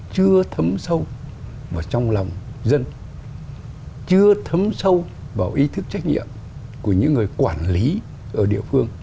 chưa thấm sâu vào trong lòng dân chưa thấm sâu vào ý thức trách nhiệm của những người quản lý ở địa phương